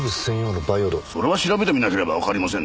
それは調べてみなければわかりませんなあ。